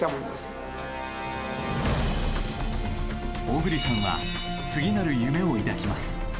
小栗さんは次なる夢を抱きます。